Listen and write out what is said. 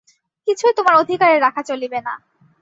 কিছুই তোমার অধিকারে রাখা চলিবে না।